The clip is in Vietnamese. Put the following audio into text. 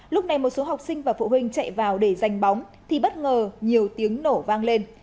lúc này một số học sinh và phụ huynh chạy vào để giành bóng thì bất ngờ nhiều tiếng nổ vang lên